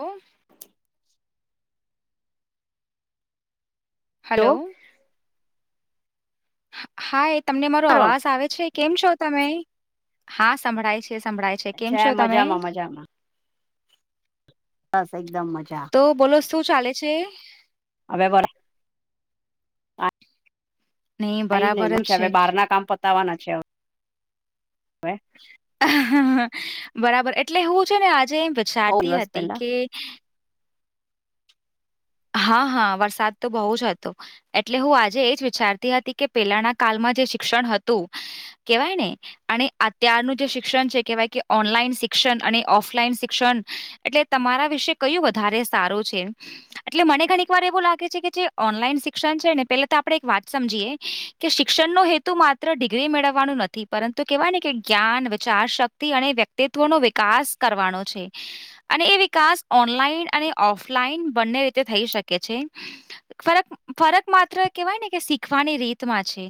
ઉહ. Hello hello. Hi તમને મારો અવાજ આવે છે કેમ છો તમે? હા સંભળાય છે. સંભળાય છે કેમ છો તમે? મજામાં મજામાં બસ એકદમ મજા. તો બોલો શું ચાલે છે? હવે વર નહી આઈ ને બરાબર બસ હવે જ બાર ના કામ પતાવવાના છે હવે. અ હ અ બરાબર એટલે હું છે ને આજે એમ બહુ વિચારતી દિવસ હતી પહેલા કે, હા હા વરસાદ તો બહુ જ હતો. એટલે હું આજે એજ વિચારતી હતી કે પેલાના કાલમાં જે શિક્ષણ હતું કેવાય ને. અને અત્યારનું જે શિક્ષન છે કેહેવાય કે ઓનલાઈન અને ઓફલાઈન શિક્ષન એટલે. તમારા વિશે કયું વધારે સારું છે. એટલે મને ઘણીક વાર એવું લાગે છે કે જે ઓનલાઈન શિક્ષન છે ને પેલા તો આપણે એક વાત સમજીએ. કે શિક્ષણનો હેતુ માત્ર ડિગ્રી મેળવવાનો નથી પરંતુ કેહેવાય ને કે જ્ઞાન, વિચાર શક્તિ અને વ્યક્તિત્વ. ત્વ નો વિકાસ કરવાનો છે. અને એ વિકાસ ઓનલાઈન અને ઓફલાઈન બંને રીતે થઈ શકે છે. ફરક ફરક માત્ર કેવાય ને કે શીખવાની રીતમા છે.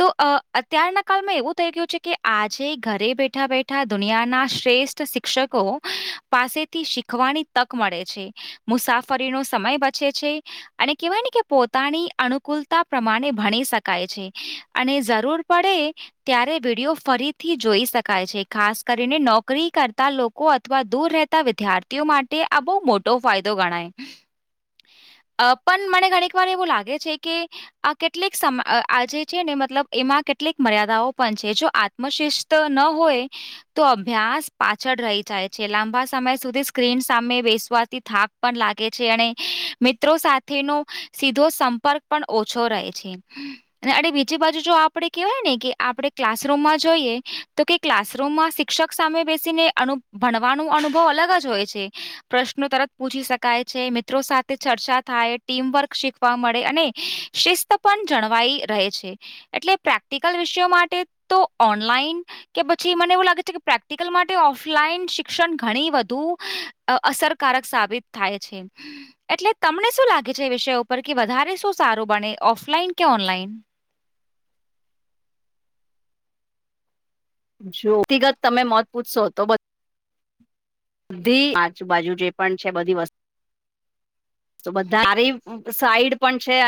તો અ અત્યારના કાળમાં એવું થઈ ગયું છે કે આજે ઘરે બેઠા બે ઠા દુનિયાના શ્રેષ્ઠ શિક્ષકો પાસેથી શીખવાની તક મળે છે. મુસાફરીનો સમય બચે છે. અને કહેવાય ને કે પોતાની અનુકૂળતા પ્રમાણે ભણી શકાય છે અને જરૂર પડે. ત્યારે વિડીયો ફરીથી જોઈ શકાય છે. ખાસ કરીને નોકરી કરતા લો કો અથવા દૂર રહેતા વિદ્યાર્થીઓ માટે આ બઉ મોટો ફાયદો ગણાય. અ પણ મને ઘણીક વાર એવું લાગે છે કે, આ કેટલીક સમ આ આજે છે ને મતલબ એમાં કેટલીક મર્યાદાઓ પણ છે જો આત્મશ્રેષ. તો ન હોય. તો અભ્યાસ રહી જાય છે લાંબા સમય સુધી સ્ક્રીન સામે બેસવાથી થાક. પણ લાગે છે અને મિત્રો સાથેનો સીધો સંપર્ક પણ ઓછો રહે છે. અનેડ બીજી બાજુ જો આપડણે કેવાય ને કે આપડણે ક્લાસરૂમમાં જોઈએ તો ક ક્લાસરૂમમાં શિક્ષક સામે બેસીને અનુ ભણવાનો અનુભવ અલગ જ હોય છે. પ્રશ્નો તરત પૂછી શકાય છે મિ ત્રો સાથે ચર્ચા થાય ટીમવર્ક શીખવા મળે અને શિસ્ત પણ જળવાઈ રહે છે. એટલે પ્રેક્ટિકલ વિષયો તો ઓનલાઈન. કે પછી મને એવું લાગે છે કે પ્રેક્ટિકલ માટે ઓફલાઈન શિક્ષણ ઘણી વધુ. અ અસરકારક સાબિત થાય છે. એટલે તમને શું લાગે છે એ વિષયો ઉપર કે વધારે શું સારું બને ઓફલાઈન કે ઓનલાઈન? જો વ્યતિગત તમે મત પૂછશો તો બધ બધી આજુ બાજુ જે પણ છે બધી વસ્તુ. બધા આવી સાઈડ પણ છે.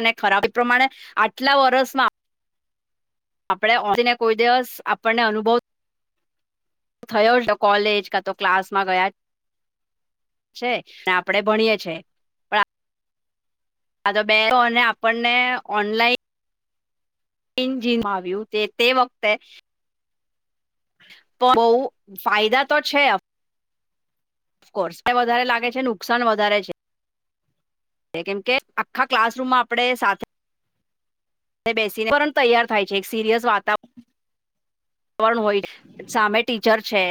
અને ખરાબ પ્રમાણે આટલા વર્ષમાં, આપડણે ઓ ને કોઈ દિવસ આપણને અનુભવ. થયો કોલેજ તો ક્લાસ માં ગયા, છે ને આપડે ભણીએ છે. પણ આ તો મેં તો અને આપણને ઓનલાઈન, એન્જિન આવ્યું તે તે વખતે. પણ બહુ ફાયદા તો છે. કોર્સ [unintelligible] વધારે લાગે છે નુકસાન વધારે છે. કેમ કે આખા ક્લાસરૂમમાં આપડે સાથે બેસીને [unintelligible] તૈયાર થાય છે એક સિરિયસ વાતા વરણ હોય સામે ટીચર છે.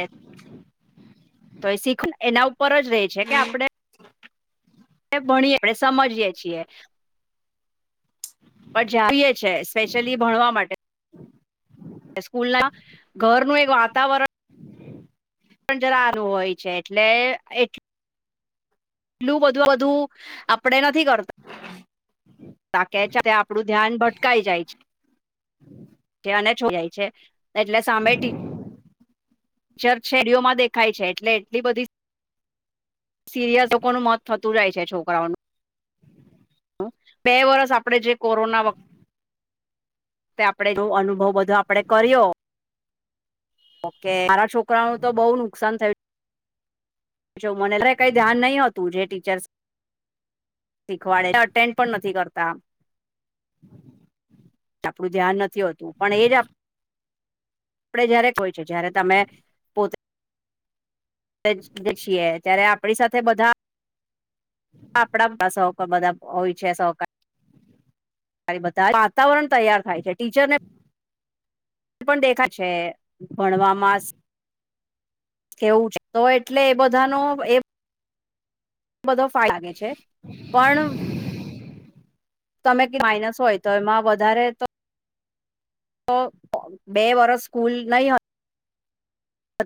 તો એ શીખું એના ઉપર જ રહે છે કે આપડે ભણીએ આપડે સમજીએે છીએ. પણ [unintelligible] છે સ્પેશિયલી ભણવા માટે. સ્કૂલના ઘરનું એક વાતાવરણ પણ જરા હારું હોય છે એટલે એટ લું બધું બધું આપડે નથી કર તા કે આપડું ધ્યાન ભટકાય જાય છે. અને [unintelligible] જાય છે એટલે સામે ટી ચર શેડીઓમાં દેખાય છે એટલે એટલી બધી સિરયસ. કોનું મોત થતું જાય છોકરાઓનું બે વરસ આપણે જે કોરોના વ ખતે આપડે અનુભવ બધો આપડે કર્યો કે મારા છોકરાઓનું તો બહુ નુકસાન થયું જો મને [unintelligible] કઈ ધ્યાન નહી હોતું જે ટીચર્સ શીખવાડે અટેન્ડ પણ નથી કરતા. આપડું ધ્યાન નથી હોતું પણ એ જ આપ આપડે જયારે કોઈ જયારે તમે પો તે છીએ ત્યારે આપણી સાથે બધા આપડા સવકા બધા હોય છે સહકા રે બધા જ વાતાવરણ તૈયાર થાય છે ટીચરને પણ દેખાય છે ભણવામાં કેવું છે તો એટલે એ બધાનો એ બધો ફા [unintelligible] લાગે છે પણ તમે માઇનસ હોય તો એમાં વધારે તો તો બે વર્ષ સ્કૂલ નહીં હો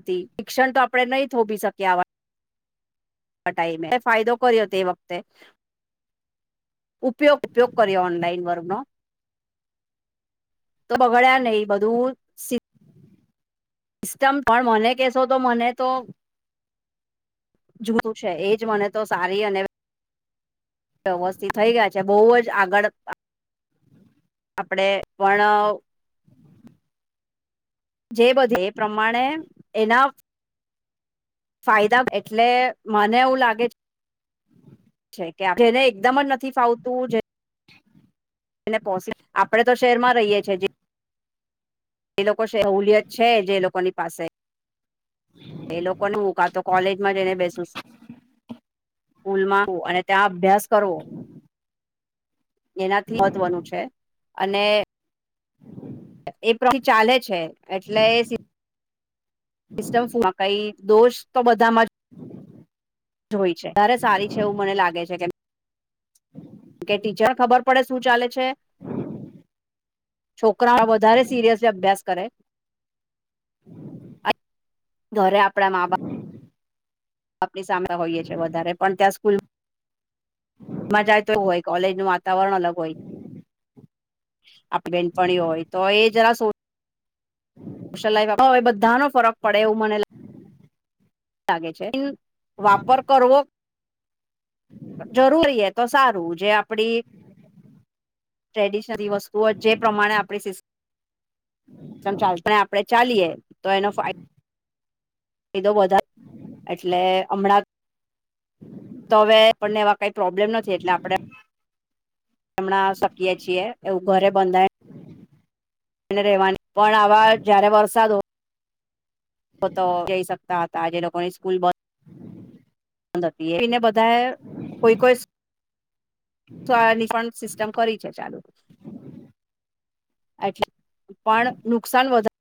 તી શિક્ષણ તો આપણે નહીં થોભી શકીએ આ- વા ટાઈમે મે ફાયદો કર્યો તે વખતે ઉપયોગ ઉપયોગ કરીઓ ઓનલાઈન વર્ગનો તો બગડ્યા નહી બધું સ્ટમ પણ મને કહેશો તો મને તો જુતું છે, એજ મને તો સારી અને વ્યવસ્થિત થઈ ગયા છે, બહુ જ આગળ આપડે પણ જે બધે એ પ્રમાણે એના ફાયદા એટલે મને એવું લાગે છે, કે જેને એકદમ જ નથી ફાવતું જે ને [unintelligible] આપણે તો શહેરમાં રહીએ છીએ જે એ લોકો સહુલિયત છે જે લોકોની પાસે એ લોકોનું કાતો કોલેજમાં જઈને બેસુસ સ્કૂલ માં આવ અને ત્યાં અભ્યાસ કરો, એનાથી મહત્વનું છે, અને એ પ્રચાલે છે, એટલે નિદષમાં કંઈ દોષતો બધામાં, જોય છે, તારે સારી છે, એવું મને લાગે છે, કે કે ટીચર ખબર પડે શું ચાલે છે, છોકરા વધારે સિરિયસલી અભ્યાસ કરે, ઘરે આપડા માં -બાપ. આપની સામે હોઈએ છીએ વધારે પણ ત્યાં સ્કૂલ, મજા તો એવું હોય કોલેજનું વાતાવરણ અલગ હોય, આપડી બેનપણી હોય તોએ જરા સો, સયલાવા એ બધો ફરક પડે એવું મને, લાગે છે, વાપર કરવો. જરૂરી એતો સારું જે આપડી, ટ્રેડિશન વસ્તુઓ જે પ્રમાણે આપ સીસ. ચાલ પણ આપડે ચાલીએ તો એનો ફાયદો. એતો વધારે એટલે હમણાં, તો હવે આપણને એવા કંઈ પ્રોબ્લેમ નથી એટલે આપડે, એમણાં શકીએ છીએ, એવું ઘરે બંધાય એને રહેવાની પણ આવા જયારે વરસાદ હો, તો જઈ શકતા હતા આજે લોકોની સ્કૂલબસ, એને બધા કોઈ કોઈ સિસ્ટમ, ફરીથી ચાલે નુકસાન વધારે.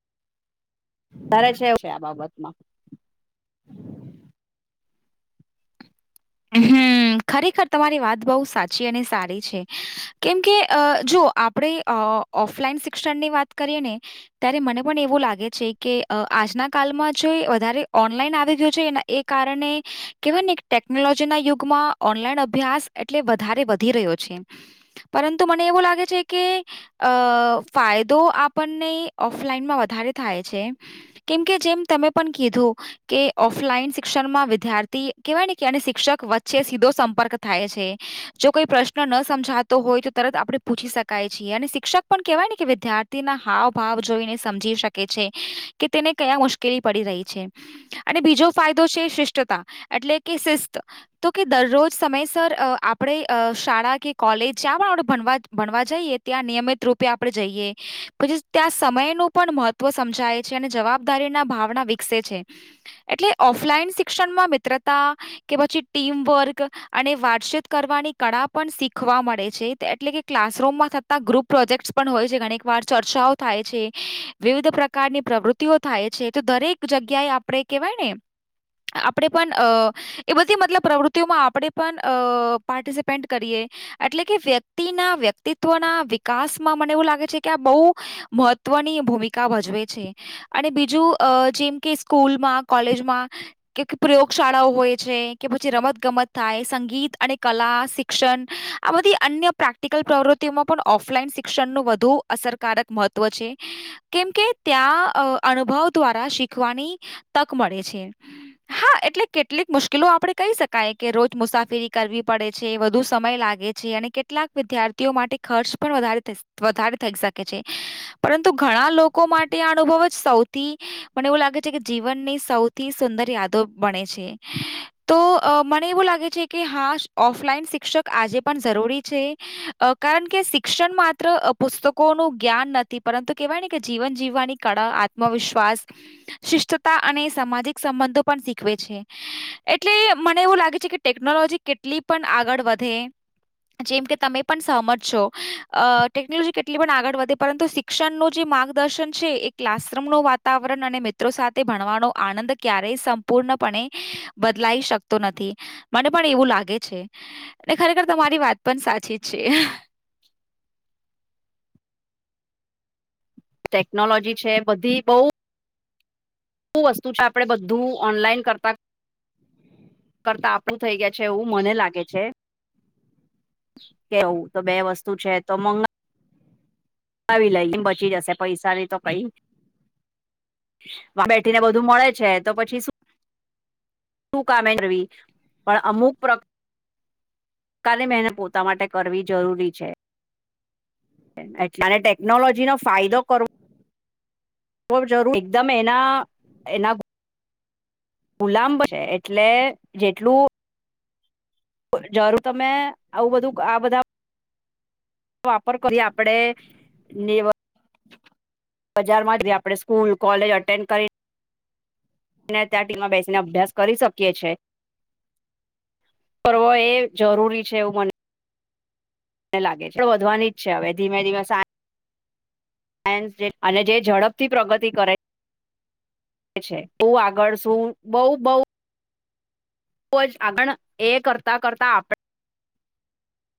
વધારે છે, આ બાબતમાં. હમ. ખરેખર તમારી વાત બહુ સાચી અને સારી છે, કેમકે જો આપણે અ. ઓફલાઈન શિક્ષણની વાત કરીએને, ત્યારે પણ એવું લાગે છે, કે આજના કાલમાંજો વધારે આવી ગયું છે, એના એ કારણે કેવા ટેકનોલોજી. ટેકનોલોજીના યુગમાં ઓનલાઈન અભ્યાસ એટલે વધારે વધી રહ્યો છે, પરંતુ મને એવું લાગે છે, કે અ ફાયદો આપણને ઓફલાઈનમાં વધારે થાય છે, કેમ કે, જેમ તમે પણ કીધું કે ઓફલાઈન શિક્ષણ માં વિદ્યાર્થી કેવાયને કયારેક શિક્ષક વચ્ચે સીધો સંપર્ક થાય છે. જો કોઈ પ્રશ્ન ન સમજાતો હોય તો તરત આપણે પૂછી શકાય છીએ અને શિક્ષક પણ કેહેવાય ને કે વિદ્યાર્થી થીના હાવ ભાવ જોઈને સમજી શકે છે કે તેને કયા મુશ્કેલી પડી રહી છે. અને બીજો ફાયદો છે શિષ્ટતા એટલે કે શિસ્ત તો કે દરરોજ સમયસર અ આપણે અ શાળા કે કોલેજ જ્યાં પણ આપણે ભણવા ભણવા જઈએ ત્યાં નિયમિત રૂપે આપડે જઈએ. પછી ત્યાં સમયનું પણ મહત્વ સમજાય છે અને જવાબદારી ભાવના વિકસે છે. એટલે ઓફલાઈન શિક્ષણમાં મિત્રતા કે પછી ટીમ વર્ક અને વાતચીત કરવાની કળા પણ શીખવા મળે છે એટલે કે ક્લાસરૂમમાં થતા ગ્રુપ પ્રોજેક્ટ પણ હોય છે ઘણીક વાર ચર્ચાઓ થાય છે વિવિધ પ્રકારની પ્રવૃતિ વૃટી ઓ થાય છે તો દરેક જગ્યાએ આપણે કહેવાય ને આપણે પણ અ એ બધી મતલબ પ્રવૃત્તિઓમાં આપણેે પણ અ પાર્ટિસિપેટ કરીએ. એટલે કે વ્યક્તિના વ્યક્તિત્વના વિકાસમાં મને એવું લાગે છે કે આ બઉ મહત્વની ભૂમિકા ભજવે છે. અને બીજું અ જેમ કે સ્કૂલમાં, કોલેજમાં કે પ્રયોગ શાળાઓ હોય છે કે પછી રમત-ગમત થાય, સંગીત અને કલા, શિક્ષણ આ બધી અન્ય પ્રેક્ટિકલ પ્રવૃત્તિઓમાં પણ ઓફલાઈન શિક્ષણનું વધુ અસરકારક મહત્ત્વ છે. કેમ કે ત્યાં અ અનુભવ દ્વારા શીખવાની તક મળે છે. હા એટલે કેટલીક મુશ્કેલો આપડે કહી શકાય કે રોજ મુસાફરી કરવી પડે છે, વધુ સમય લાગે છે અને કે કેટલાક વિદ્યાર્થીઓ માટે ખર્ચ પણ વધારે થ વઘારે થઈ શકે છે, પરંતુ ઘણા લોકો માટે આ અનુભવ જ સૌથી મને એવું લાગે છે કે જીવનની સૌથી સુંદર યાદો બણે છે. તો અ મને એવું લાગે છે કે હા ઓફલાઈન શિક્ષક આજે પણ જરૂરી છે. અ કારણ કે શિક્ષણ માત્ર પુસ્તકોનું જ્ઞાન નથી પરંતુ કેવાય ને કે જીવન જીવવાની કળા, આત્મવિશ્વાસ, શિષ્ટતા અને સામાજિક સંબંધો પણ શીખવે છે. એટલે મને એવું લાગે છે કે ટેકનોલોજી કેટલી પણ આગળ વધે જેમ કે તમે પણ સહમજ છો અ ટેકનોલોજી કેટલી પણ આગળ વધે પરંતુ શી શિક્ષણનું જે માર્ગદર્શન છે એ ક્લાસરૂમનું વાતાવરણ અને મિત્રો સાથે ભણવાનો આનંદ ક્યારેય સં પૂર્ણપણે બદલાઈ શકતો નથી મને પણ એવું લાગે છે. અને ખરેખર તમારી વાત પણ સાચી જ છે. ટેકનોલોજી છે, બધી બઉ ધુ વસ્તુ છે આપડે બધું ઓનલાઈન કરતા કરતા આપણું થઈ ગયા છે એવું મને લાગે છે. કેવું તો બે વસ્તુ છે તો મંગા આવી લઈ એમ બચી જશે પૈસાની તો કઈ બેઠીને બધું મળે છે તો પછી શું શું કામે નવી પણ અમુક પ્ર કાલે મહેનત પોતા માટે કરવી જરૂરી છે. એટલે અને ટેકનોલોજીનો ફાયદો કરવો બવ જરૂર એકદમ એના એના ગુલામબ છે એટલે જેટલું જરૂર તમે આવું બધું આ બધા વાપર કરી આપડે નેવ હજારમાં જે આપડે સ્કૂલ કોલેજ અટેન્ડ કરીન ને ત્યાં ટીમમાં બેસીને અભ્યાસ કરી શકીએ છીએ. કરવો એ જરૂરી છે એવું મને લાગે છે વધવાની જ છે હવે ધીમે ધીમે, [unintelligible] અને જે ઝડપથી પ્રગતિ કરે. બ આગળ શું બઉ બઉ જ આગળ એ કરતા કરતા આપ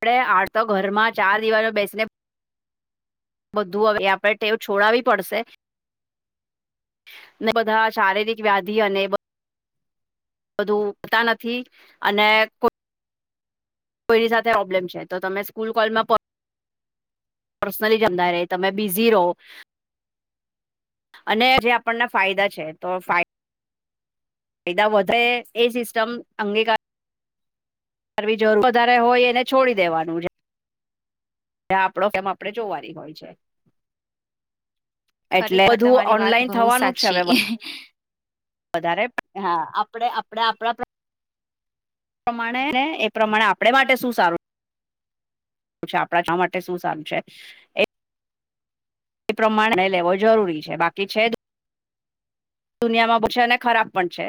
પડે આડ તો ઘરમાં ચાર દિવાલો બેસીને બધું હવે એ આપડે ટેવ છોડાવી પડશે. ને બધા શારીરિક વ્યાધિ અને બધુ [unintelligible] નથી અને કો કોઈની સાથે પ્રોબ્લેમ છે તો તમે સ્કૂલ કોલમા પર્સનલી જમદ ર તમે બિઝી રહો. અને જે આપણને ફાયદા છે તો. ફાયદા વધે એ સિસ્ટમ અંગીકાર કરવી જરૂર વધારે હોય એને છોડી દેવાનું છે. ત્યાં આપડો કેમ આપડે જોવાની હોય છે. એટલે બધું ઓનલાઈન થવાનું જ છે હવે. હેને. વધારે હા આપણે આપડ આપણા. પ્રમાણે એ પ્રમાણે આપણે માટે શું સારું? આપણા શા માટે શું સારું છે? એ પ્રમાણે લેવો જરૂરી છે બાકી છેદ દુનિયામાં બ છે અને ખરાબ પણ છે.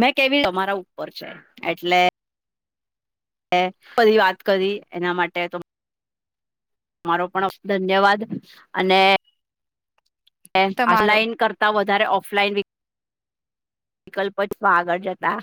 મેં કેવી તમારા ઉપર છે એટલે. એ ફરી વાત કરી એના માટે તો. મારો પણ ધન્યવાદ અને. તમારો નલાઈન કરતા વધારે ઓફલાઈન. વિકલ્પ જમાં આગળ જતા.